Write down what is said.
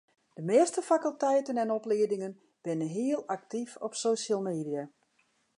De measte fakulteiten en opliedingen binne hiel aktyf op social media.